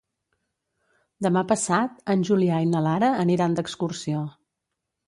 Demà passat en Julià i na Lara aniran d'excursió.